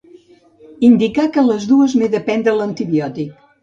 Indicar que a les dues m'he de prendre l'antibiòtic.